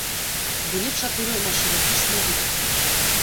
Былі чатыры машынапісныя выпускі.